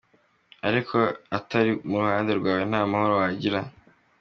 Ariko itari mu ruhande rwawe nta mahoro wagira.